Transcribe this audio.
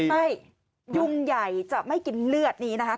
ไม่ยุงใหญ่จะไม่กินเลือดนี้นะคะ